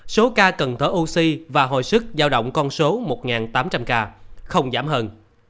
số ca cần thở oxy và hồi sức giao động con số một tám trăm linh ca không giảm hơn